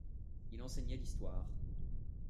Il enseignait l'histoire.